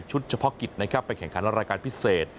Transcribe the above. เฉพาะกิจนะครับไปแข่งขันรายการพิเศษ